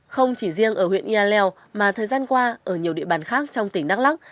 không chỉ riêng ở huyện yà leo mà thời gian qua ở nhiều địa bàn khác trong tỉnh đắk lắc